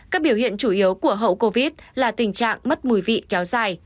các biểu hiện chủ yếu của hậu covid là tình trạng mất mùi vị kéo dài